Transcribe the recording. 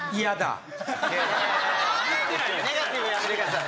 ネガティブやめてください。